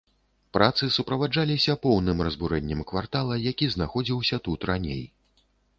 Працы суправаджаліся поўным разбурэннем квартала, які знаходзіўся тут раней.